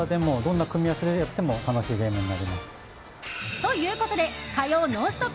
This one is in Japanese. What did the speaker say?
ということで火曜「ノンストップ！」